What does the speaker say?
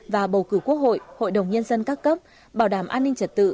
và bầu cử quốc hội hội đồng nhân dân các cấp bảo đảm an ninh trật tự